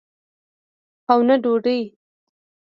او نه ډوډۍ.